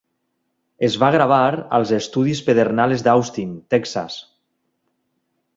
Es va gravar als estudis Pedernales d'Austin, Texas.